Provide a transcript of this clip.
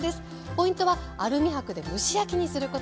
ポイントはアルミ箔で蒸し焼きにすること。